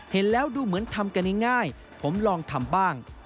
เห็นแล้วดูเหมือนทำกันง่ายผมลองทำบ้าง